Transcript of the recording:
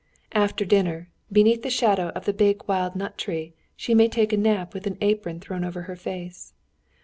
After dinner, beneath the shadow of the big wild nut tree, she may take a nap with an apron thrown over her face.